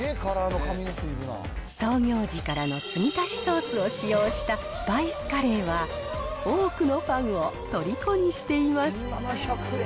創業時からの継ぎ足しソースを使用したスパイスカレーは、多くのファンをとりこにしています。